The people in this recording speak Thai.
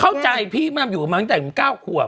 เข้าใจพี่มั่นอยู่มาตั้งแต่กล้าหกครับ